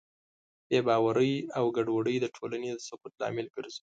بېباورۍ او ګډوډۍ د ټولنې د سقوط لامل ګرځي.